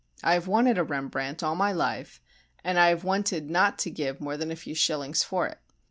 I have wanted a Rembrandt all my life, and I have wanted not to give more than a few shillings for it.